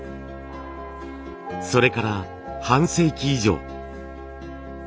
それから半世紀以上。